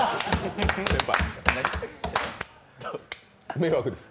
迷惑です。